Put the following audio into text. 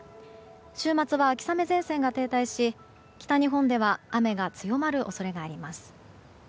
週末は秋雨前線が停滞し北日本では雨が強まる恐れがあります。